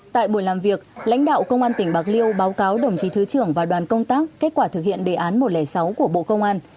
tại buổi làm việc lãnh đạo công an tỉnh bạc liêu báo cáo đồng chí thứ trưởng và đoàn công tác kết quả thực hiện đề án một trăm linh sáu của bộ công an